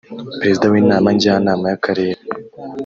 Perezida w’Inama Njyanama y’akarere